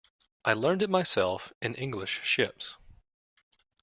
I learned it myself in English ships.